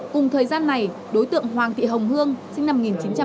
cùng thời gian này đối tượng hoàng thị hồng hương sinh năm một nghìn chín trăm bảy mươi hai